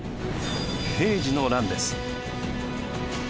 平治の乱です。